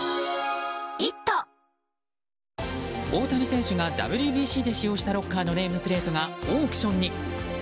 大谷選手がＷＢＣで使用したロッカーのネームプレートがオークションに。